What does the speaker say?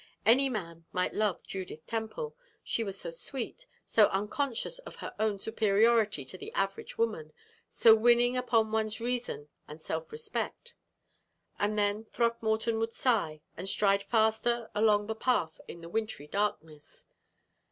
Any man might love Judith Temple she was so gentle, so unconscious of her own superiority to the average woman, so winning upon one's reason and self respect and then Throckmorton would sigh, and stride faster along the path in the wintry darkness.